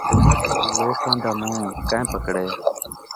لوکاں دا مون٘ہہ کئیں پکڑے